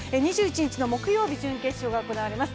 ２１日の木曜日、準決勝が行われます